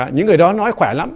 những người đó nói khỏe lắm